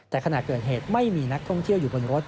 แต่ขณะเกิดเหตุไม่มีนักท่องเที่ยวอยู่บนรถ